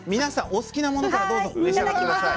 お好きなものからどうぞ召し上がって下さい。